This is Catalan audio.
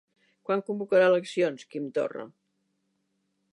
Quan convocarà eleccions Quim Torra?